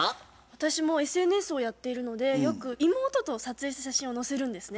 私もＳＮＳをやっているのでよく妹と撮影した写真を載せるんですね。